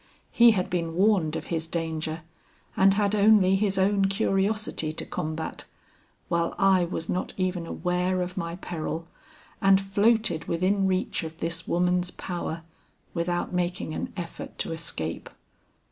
He had been warned of his danger and had only his own curiosity to combat, while I was not even aware of my peril, and floated within reach of this woman's power, without making an effort to escape.